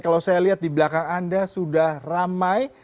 kalau saya lihat di belakang anda sudah ramai